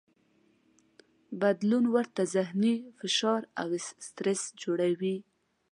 بدلون ورته ذهني فشار او سټرس جوړوي.